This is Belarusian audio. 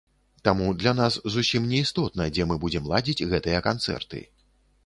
Таму для нас зусім не істотна, дзе мы будзем ладзіць гэтыя канцэрты.